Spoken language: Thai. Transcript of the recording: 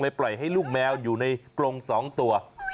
ปล่อยให้ลูกแมวอยู่ในกรง๒ตัว